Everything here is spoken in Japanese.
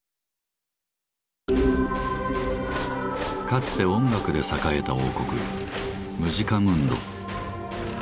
かつて音楽で栄えた王国「ムジカムンド」。